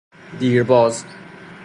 دیر باز